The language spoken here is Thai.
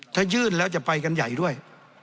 ถ้ายื่นแล้วจะไปกันใหญ่ด้วย